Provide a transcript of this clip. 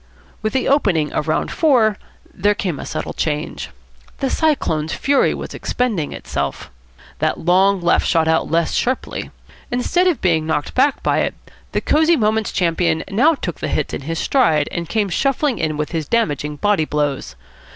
With the opening of round four there came a subtle change. The Cyclone's fury was expending itself. That long left shot out less sharply. Instead of being knocked back by it, the Cosy Moments champion now took the hits in his stride, and came shuffling in with his damaging body blows.